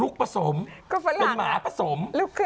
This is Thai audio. ก็ชอบ